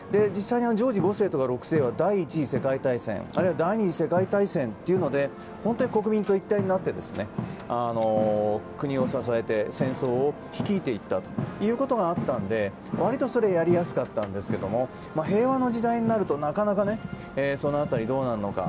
ジョージ５世とか６世は第１次世界大戦あるいは第２次世界大戦で国民と一体になって国を支えて戦争を率いていったということがあったのでわりとそれはやりやすかったんですが平和の時代になるとなかなか、その辺りどうなるのか。